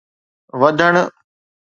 وڌڻ